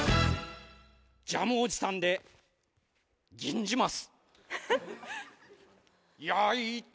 ジャムおじさんで吟じます。